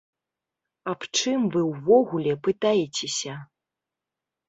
Аб чым вы ўвогуле пытаецеся?!